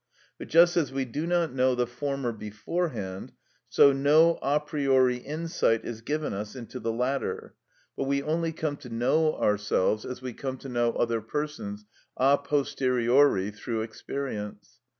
But just as we do not know the former beforehand, so no a priori insight is given us into the latter, but we only come to know ourselves as we come to know other persons a posteriori through experience.